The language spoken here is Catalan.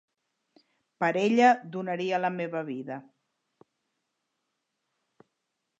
Per ella donaria la meva vida.